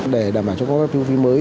để đảm bảo cho có thu phí mới